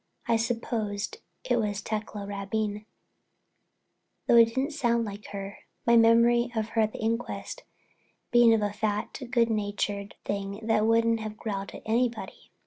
I supposed it was Tecla Rabine, though it didn't sound like her, my memory of her at the inquest being of a fat, good natured thing that wouldn't have growled at anybody.